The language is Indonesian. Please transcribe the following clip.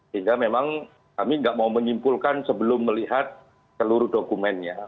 sehingga memang kami nggak mau menyimpulkan sebelum melihat seluruh dokumennya